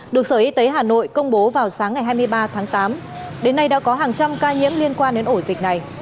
được sở y tế hà nội công bố vào sáng ngày hai mươi ba tháng tám đến nay đã có hàng trăm ca nhiễm liên quan đến ổ dịch này